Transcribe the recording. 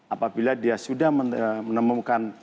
apabila dia sudah menemukan